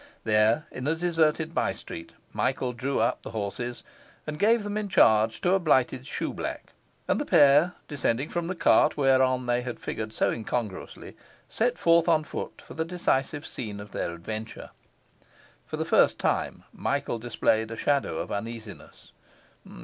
There, in a deserted by street, Michael drew up the horses and gave them in charge to a blighted shoe black; and the pair descending from the cart, whereon they had figured so incongruously, set forth on foot for the decisive scene of their adventure. For the first time Michael displayed a shadow of uneasiness.